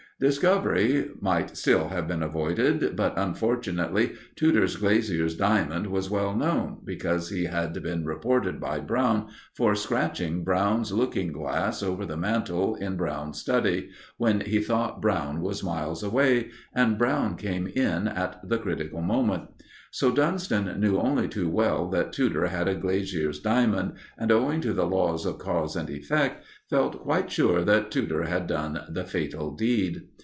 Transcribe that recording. Discovery might still have been avoided, but, unfortunately, Tudor's glazier's diamond was well known, because he had been reported by Brown for scratching Brown's looking glass over the mantelpiece in Brown's study, when he thought Brown was miles away, and Brown came in at the critical moment. So Dunston knew only too well that Tudor had a glazier's diamond, and, owing to the laws of cause and effect, felt quite sure that Tudor had done the fatal deed.